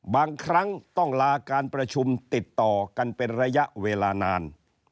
บางครั้งต้องลาการประชุมติดต่อกันเป็นระยะเวลานาน